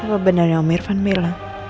apa benarnya om irfan mila